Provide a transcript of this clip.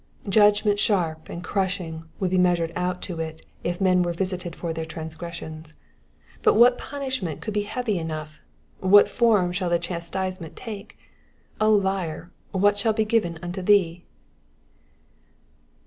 Judgment sharp and crushing would be measured out to it if men were visited for their transgressions. But what punishment could be heavy enough ? What form shall the chastisement take ? O fiar, ^* what shall be given unto thee